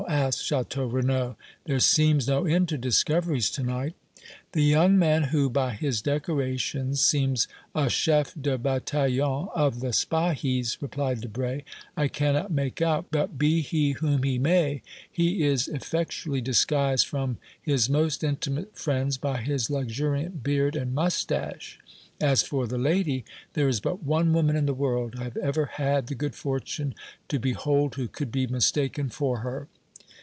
asked Château Renaud. "There seems no end to discoveries to night." "The young man who, by his decorations, seems a chef de bataillon of the Spahis," replied Debray, "I cannot make out. But, be he whom he may, he is effectually disguised from his most intimate friends by his luxuriant beard and moustache. As for the lady there is but one woman in the world I have ever had the good fortune to behold who could be mistaken for her."